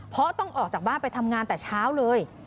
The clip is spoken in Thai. เพราะต้องออกจากบ้านไปทำงานแต่เช้าเลย